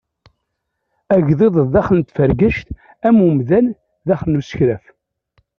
Agḍiḍ daxel n tfergact am umdan daxel n usekraf.